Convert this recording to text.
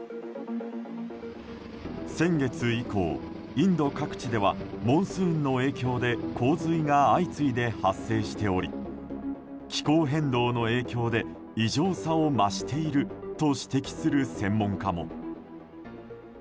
先月以降、インド各地ではモンスーンの影響で洪水が相次いで発生しており気候変動の影響で異常さを増していると指摘する専門家も。